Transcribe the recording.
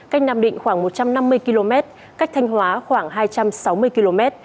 cách nam định khoảng một trăm năm mươi km cách thanh hóa khoảng hai trăm sáu mươi km